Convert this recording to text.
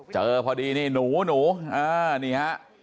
เจอพอดีนี่หนูฮะอ่านี่ฮะ